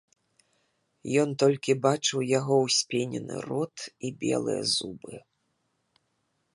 Ён толькі бачыў яго ўспенены рот і белыя зубы.